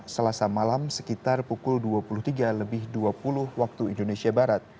selasa malam sekitar pukul dua puluh tiga lebih dua puluh waktu indonesia barat